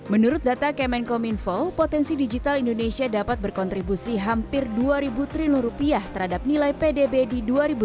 menurut data kemenkom info potensi digital indonesia dapat berkontribusi hampir rp dua terhadap nilai pdb di dua ribu tiga puluh